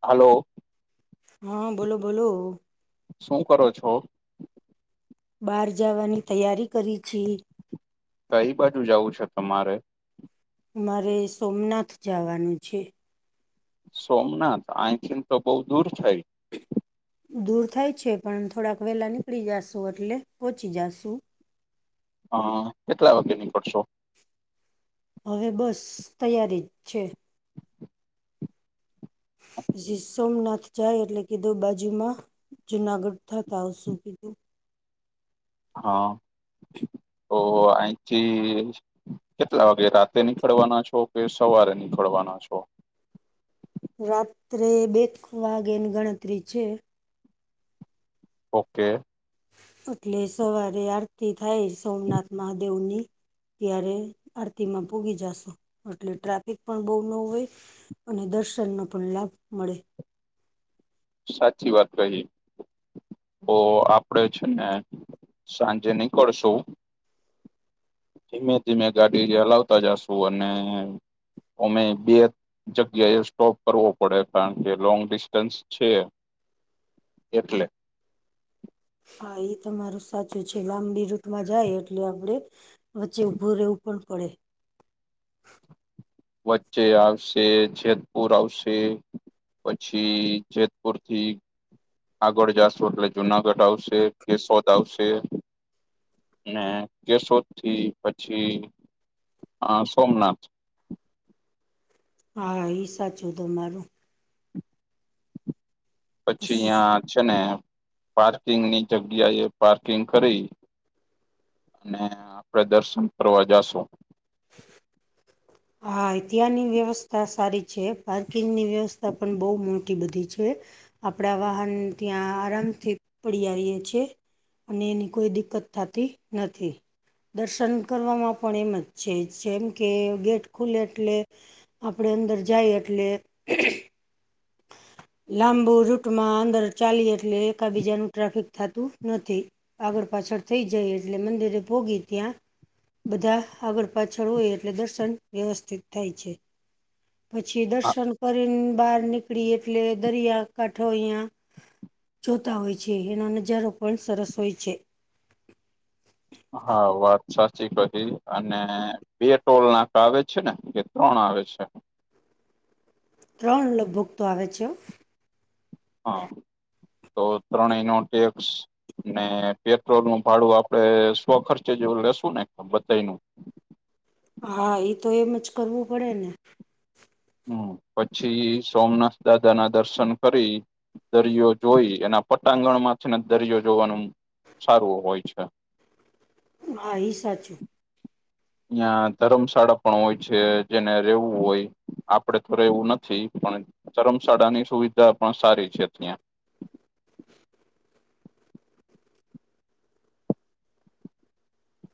Hello. હા બોલો બોલો શું કરો છો? બહાર જવાની તૈયારી કરી છી. કઈ બાજુ જાવું છે તમારે મારે સોમનાથ જવાનું છે. સોમનાથ આઈથીન તો બઉ દૂર થાય. દૂર થાય છે પણ થોડાક વેલા નીકળી જશુ એટલે પોહોંચી જાશુ હ કેટલા વાગે નીકળશો હવે બસ તૈયારી જ છે. [unintelligible] સોમનાથ. જાય એટલે કીધું બાજુમાં જુનાગઢ થતા આવશું કીધું. હા તો આઇથી. કેટલા વાગે રાતે નીકળવાના છો કે સવારે નીકળવાના છો. રાત્રે બે વાગે ની ગણતરી છે. ઓકે. એટલે સવારે આરતી થાય સોમનાથ મહાદેવ ની. ત્યારે આરતીમાં પોગી જાશું એટલે ટ્રાફિક પણ બહુ ન હોય. અને દર્શનનો પણ લાભ મળે. સાચી વાત કહી. તો આપડે છે ને સાંજે નીકળશું. ધીમે ધીમે ગાડી ચલાવતા જશુ અને. અમે બે જગ્યાએ સ્ટોપ કરવો પડે કારણ કે લોંગ ડિસ્ટન્સ. છે એટલે. હા એ તમારું સાચું છે લાંબી રૂટમાં જાય એટલે આપડે. વચ્ચે ઊભું રહેવું પણ પડે. વચ્ચે આવશે જેતપુર આવશે. પછી જેતપુર થી. આગળ જાશું એટલે જુનાગઢ આવશે કેશોદ આવશે. અને કેશોદ થી પછી સોમનાથ. હા એ સાચું તમારું. પછી અયાં છે ને પાર્કિંગની જગ્યા એ પાર્કિંગ કરી. અને આપડે દર્શન કરવા જાશું. હા ત્યાંની વ્યવસ્થા સારી છે પાર્કિંગની વ્યવસ્થા પણ બહુ મોટી બધી છે. આપણા વાહન ત્યાં આરામથી. પડી આવીએ છે અને એની કોઈ દિકત થતી નથી. દર્શન કરવામાં પણ એમ જ છે જેમ કે ગેટ ખુલે એટલે આપણે અંદર જાય એટલે. લાંબુ રૂટમાં અંદર ચાલી એટલે એકાબીજાનું ટ્રાફિક થતું નથી. આગળ પાછળ થઈ જાય એટલે મંદિરે પોગી ત્યાં. બધા આગળ પાછળ હોય એટલે દર્શન વ્યવસ્થિત થાય છે. પછી દર્શન કરીને બહાર નીકળી એટલે દરિયાકાાંઠો અહિયા. જોતા હોય છે એનો નજારો પણ સરસ હોય છે. હા વાત સાચી કરી અને. બે ટોલ નાકા આવે છે ને કે ત્રણ આવે છે. ત્રણ લગભગ તો આવે છે. હા તો ત્રણેયનો ટેક્સ. ને પેટ્રોલનું ભાડું આપડે સ્વ ખર્ચે જેવું લેશું ને બધાનું. હા એ તો એમ જ કરવું પડે ને. હમ્મ પછી સોમનાથ દાદાના દર્શન કરી. દરિયો જોઈ એના પટાંગણમાંથી ને દરિયો જોવાનું સારું હોય છે. હા એ સાચું. નયાં ધર્મશાળા પણ હોય છે જેને રહેવું હોય. આપડે તો એવું નથી, પણ ધરમશાળાની સુવિધા પણ સારી છે ત્યાં.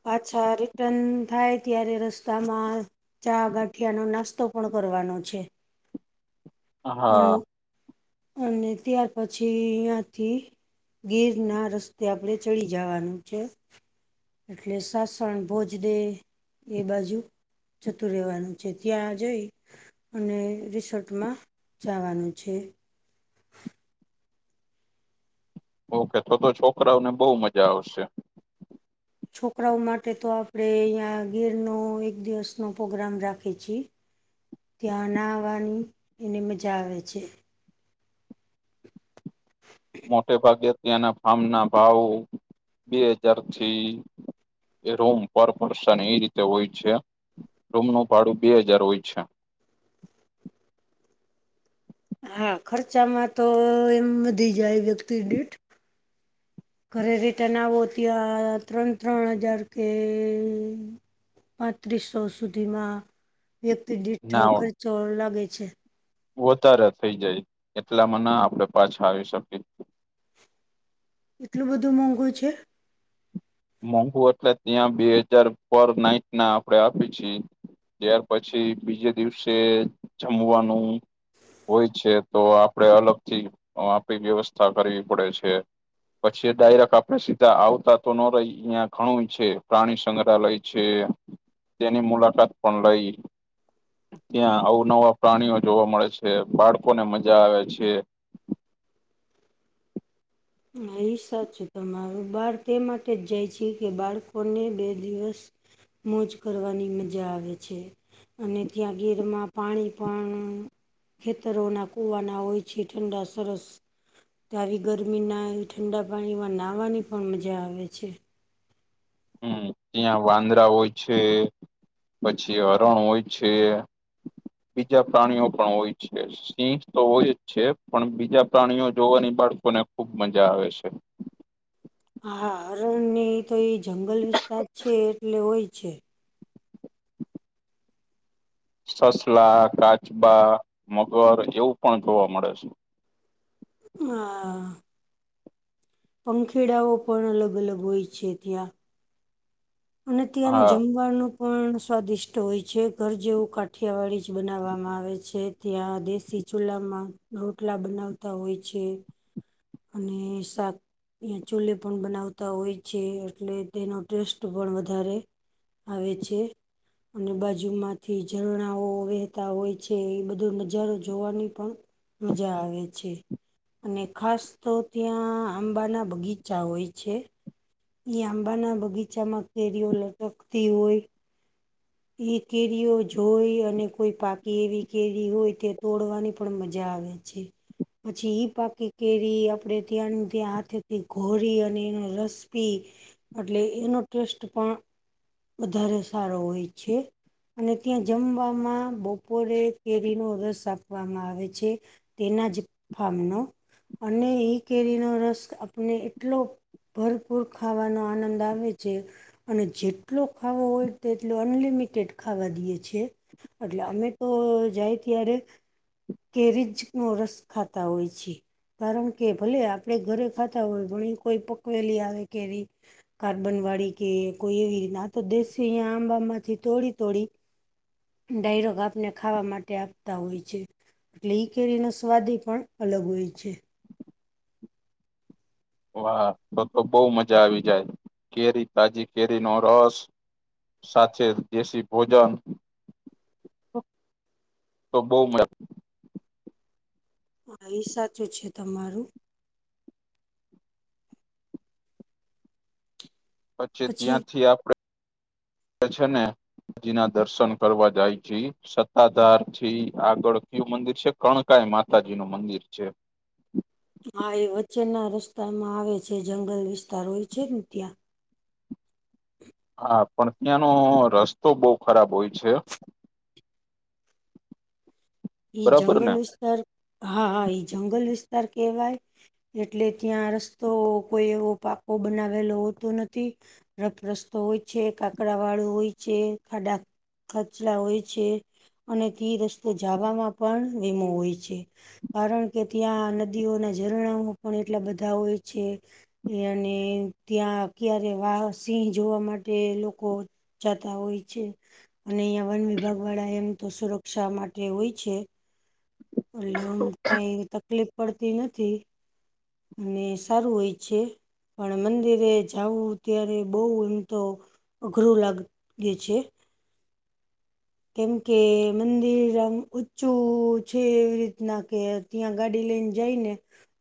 પાછા રિટર્ન થાય ત્યારે રસ્તામાં. ચા ગાંઠિયાનો નાસ્તો પણ કરવાનો છે. અને હા અને ત્યાર પછી અયાથી. ગીરના રસ્તે આપણેે ચડી જવાનું છે. એટલે સાસણ ભોજદે એ બાજુ. જતું રહેવાનું છે ત્યાં જઈ અને રિસોર્ટમાં. જવાનું છે. ઓકે તો તો છોકરાઓને બહુ મજા આવશે. છોકરાઓ માટે તો આપણેે અહીં ગિરનો એક દિવસનો પ્રોગ્રામ રાખી છીએ. ત્યાં નાવાની એને મજા આવે છે. મોટેભાગે ત્યાના ફાર્મના ભાવ બે હજાર થી. એ રૂમ પર પર્સન એ રીતે હોય છે રૂમનું ભાડું બે હજાર હોય છે. હા ખર્ચામાં તો એમ વધી જાય વ્યક્તિદિઠ ઘરે રીતે ના આવો ત્યાં ત્રણ ત્રણ હજાર કે પાંત્રીસો સુધીમાં વ્યક્તિદીઠ ના ખર્ચો લાગે છે. વધારે થઈ જાય એટલામાં ના આપડે પાછા આવી શકી. એટલું બધું મોંઘું છે. મોંઘુ એટલે ત્યાં બે હજાર પર નાઈટના આપડે આપીએ છી. ત્યાર પછી બીજે દિવસે જમવાનું હોય છે તો આપડે અલગથી આપણી વ્યવસ્થા કરવી પડે છે. પછી ડાયરેક્ટ આપડે સીધા આવતા તો અહં ઘણું છે પ્રાણી સંગ્રહાલય છે. તેની મુલાકાત પણ લઈ. ત્યાં અવનવા પ્રાણીઓ જોવા મળે છે, બાળકોને મજા આવે છે. અ એ સાચું તમારું બળ તે માટે જ જાય છે કે, બાળકોને બે દિવસ મોજ કરવાની મજા આવે છે. અને ત્યાં ગીરમાં પાણી પણ ખેતરોના કુવાના હોય છે. ઠંડા સરસ આવી ગરમ ગરમીના એ ઠંડા પાણીમાં નાહવાની પણ મજા આવે છે. હમ્મ ત્યાં વાંદરા હોય છે. પછી હરણ હોય છે. બીજા પ્રાણીઓ પણ હોય છે. સિંહ તો હોય જ છે પણ બીજા પ્રાણીઓ જોવાની બાળકોને ખુબ મજા આવે છે. હા હરણ ની તો એ જંગલ વિસ્તાર છે એટલે હોય છે. સસલા, કાચબા, મગર એવું પણ જોવા મળે છે. હા હા પંખેડાઓ પણ અલગ અલગ હોય છે ત્યાં અને ત્યાંનું હા જમવાનું પણ સ્વાદિષ્ટ હોય છે ઘર જેવું કાઠિયાવાળી છે. બનાવવામાં આવે છે ત્યાં દેશી ચૂલામાં રોટલા બનાવતા હોય છે. અને સાક અહીંયા ચૂલે પણ બનાવતા હોય છે એટલે તેનો ટેસ્ટ પણ વધારે આવે છે. અને બાજુમાંથી ઝરણાઓ વહેહતા હોય છે એ બધો નજારો જોવાની પણ મજા આવે છે અને ખાસ તો ત્યાં આંબાના બગીચા હોય છે. આંબા ના બગીચામાં કેરીઓ લટકતી હોય એ કેરીઓ જોઈ અને કોઈ પાકી એવી કેરી હોય તે તોડવાની પણ મજા આવે જી પછી ઈ પાકી કેરી આપણે ત્યાં ત્યાં હાથેથી ઘોરી અને એનો રસપી એટલે એનો ટેસ્ટ પણ વધારે સારો હોય છે. અને ત્યાં જમવામાં બપોરે કેરીનો રસ આપવામાં આવે છે. તેના જ ફામનો અને એ કેરીનો રસ આપને એટલો ભરપૂર ખાવાનો આનંદ આવે છે અને જેટલો ખાવો હોય તેટલો અનલિમિટેડ ખાવા દઈએ છીએ એટલે અમે તો જાય ત્યારે કેરીજ નો રસ ખાતા હોય છે. કારણ કે ભલે આપણે ઘરે ખાતા હોય ઘણી કોઈ પકવેલી આવે કે ર કાર્બન વાળી કે કોઈ એવી રીતે આ તો દેશ અહીંયા આંબામાંથી તોડી તોડી ડાયરોગ આપને ખાવા માટે આપતા હોય છે. એટલે ઈ કેરી ના સ્વાદ એ પણ અલગ હોય છે. વાહ તો તો બહ મજા આવી જાય કેરી તાજી કેરી નો રસ સાથે દેશી ભોજન તો બહ મરા હા એ સાચું છે તમારું પછી પછી ત્યાંથી આપણે [unintelligible] [inaudible] છે ને જીના દર્શન કરવા જાય છે. સતાધાર થી આગળ કયું મંદિર છે કણકાઈ માતાજી નું મંદિર છે. હા એ વચ્ચેના રસ્તામાં આવે છે જંગલ વિસ્તાર હોય છે ને ત્યાં હા પણ ત્યાંનો રસ્તો બહ ખરાબ હોય છે. [inaudible] [unintelligible] એ બરાબર જંગલ ને વિસ્તાર હા હા એ જંગલ વિસ્તાર કેહેવાય એટલે ત્યાં રસ્તો કોઈ એવો પાકો બનાવેલો હોતો નથી રફરસ્તો હોય છે કાકડા વાળું હોય છે ખાડા ખચલા હોય છે અને તે રસ્તો જવામાં પણ વીમો હોય છે. કારણ કે ત્યાં નદીઓના ઝરણાઓ પણ એટલા બધા હોય છે. અને ત્યાં ક્યારે વાહ સિંહ જોવા માટે લોકો જતા હોય છે અને અહિયાં વન વિભાગ વાળા એમ તો સુરક્ષા માટે હોય છે એટલેમ કઈ તકલીફ પડતી નથી અને સારું હોય છે પણ મંદિરે જવું ત્યારે બહ એમ તો અઘરો લાગ ગ છે. કેમ કે મંદિરમ ઊચું છે એવી રીતના કે ત્યાં ગાડી લઈને જઈને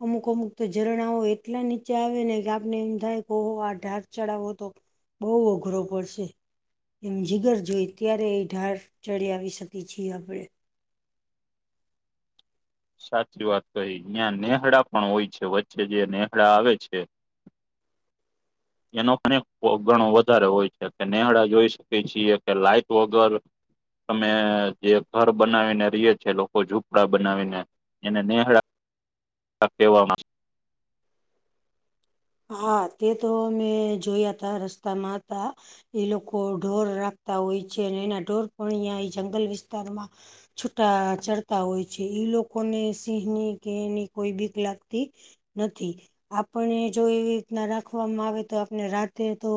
અમુક અમુક તો ઝરણાઓ એટલા નીચે આવે ને કે આપને એમ થાય કેહ આ ઢાાર ચડાવો તો બહુ અઘરો પડશે એમ જીગર જોઈ ત્યારે એ ઢાળ ચડી આવી શકી છીએ આપણેે સાચી વાત કઈ ન્યા નેહડા પણ હોય છે, વચ્ચે જે નેહડા આવે છે. એનો અનેક ગણો વધારે હોય છે, કે નેહડા જોઈ શકી છીએ કે લાઈટ વગર. તમે જે ઘર બનાવીને રહીએ છી લોકો ઝૂપડા બનાવીને. એને નેહળા કહેવામાં. હા તે તો મેં જોયા તા રસ્તામાં હતા. એ લોકો ઢોર રાખતા હોય છે, અને એના ઢોર પણ અહંયા એ જંગલ વિસ્તારમાં. છૂટા ચરતા હોય છે, એ લોકોને સિંહની કે એની કોઈ બીક લાગતી નથી. આપણે. જો એવી રીતના રાખવામાં આવે તો આપને રાતે તો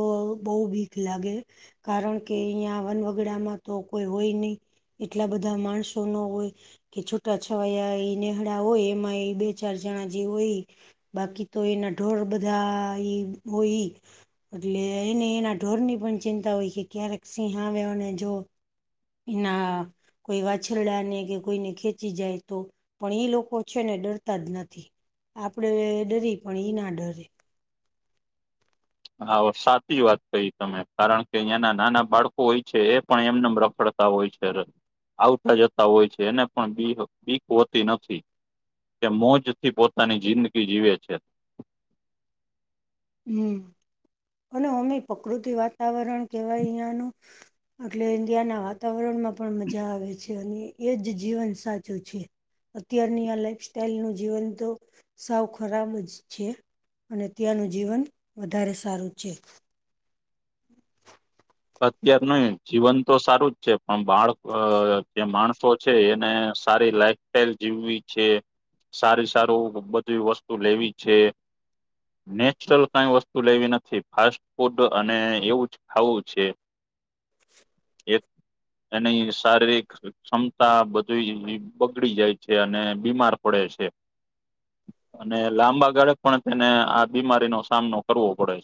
બહુ ભીક લાગે. કારણ કે અહીંયા વન વગડામાં તો કોઈ હોય નહી. એટલા બધા માણસો નો હોય. કે છૂટા છવાયા એ નેહડા હોય એમાં એ બે- ચાર જણા જે હોય. બાકી તો એના ઢોર બધા એ હોય ઈ. એટલે એને એના ઢોરની પણ ચિંતા હોય કે ક્યારેક સિંહ આવે અને જો. એના કોઈ વાછરડા ને કે કોઈને ખેંચી જાય તો. પણ ઈ લોકો છે ને ડરતા જ નથી. આપડે ડરી પણ ઈ ના ડરે. હા સાચી વાત કહી તમે કારણ કે અહંના નાના બાળકો હોય છે. એ પણ એમને રખડ તા હોય છે, આવતા જતા હોય છે, એને પણ બી બીક હોતી નથી. કે મોજ થી પોતાની જિંદગી જીવે છે. હમ અને અમે પ્રકૃતિ વાતાવરણ કેવાય અહિયાનું. એટલે ઇન્ડિયાના વાતાવરણમાં પણ મજા આવે છે, અને એજ જીવન સાચું છે. અત્યારની આ લાઈફ સ્ટાઈલ નું જીવન તો સાવ ખરાબ જ છે. અને ત્યાંનું જીવન વધારે સારું છે. [unintelligible] અત્યાર નહી જીવન તો સારું જ છે, પણ બાળ જે માણસો છે એને સારી લાઇફ તેલ જીવવી છે, સારુ, સારું બધી વસ્તુ લેવી છે. નેચરલ કઈ વસ્તુ લેવી નથી, ફાસ્ટ ફૂડ અને એવું જ ખાવું છે. [unintelligible] એક એની શારીરિક. ક્ષમતા બધી બગડી જાય છે, અને બીમાર પડે છે. અને લાંબા ગાળે પણ તેને આ બીમારીનો સામનો કરવો પડે છે.